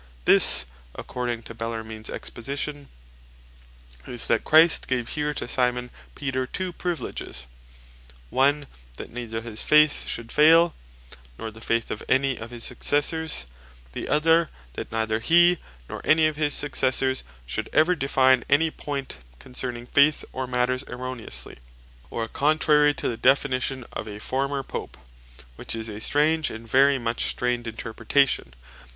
This, according to Bellarmines exposition, is, that Christ gave here to Simon Peter two priviledges: one, that neither his Faith should fail, neither he, nor any of his successors should ever define any point concerning Faith, or Manners erroneously, or contrary to the definition of a former Pope: Which is a strange, and very much strained interpretation.